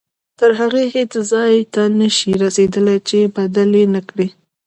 تر هغې هیڅ ځای ته نه شئ رسېدلی چې یې بدل نه کړئ.